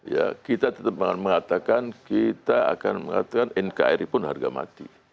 ya kita tetap mengatakan kita akan mengatakan nkri pun harga mati